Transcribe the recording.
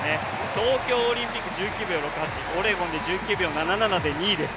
東京オリンピック１９秒６８、オレゴンで１９秒７７で２位です。